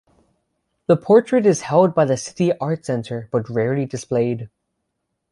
The portrait is held by the City Art Centre but rarely displayed.